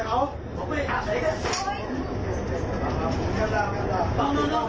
โอเค